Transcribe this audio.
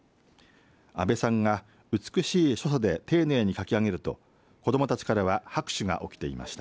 阿部さんが美しい所作で丁寧に書き上げると子どもたちからは拍手が起きていました。